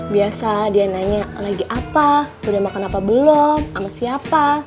biasa dia nanya lagi apa udah makan apa belum sama siapa